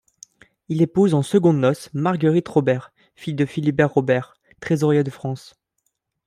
Il épouse, en secondes noces, Marguerite Robert, fille de Philibert Robert, trésorier de France.